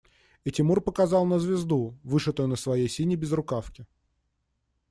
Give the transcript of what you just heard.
И Тимур показал на звезду, вышитую на своей синей безрукавке.